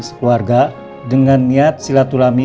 sekeluarga dengan niat silaturahmi